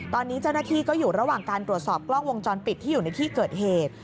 ตอนนี้เจ้าหน้าที่ก็อยู่ระหว่างการตรวจสอบกล้องวงจรปิดที่อยู่ในที่เกิดเหตุ